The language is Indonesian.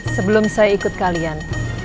sebelum saya ikut kalian